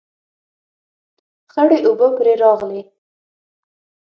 خړې اوبه پرې راغلې